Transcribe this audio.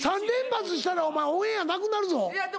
３連発したらお前オンエアなくなるぞ。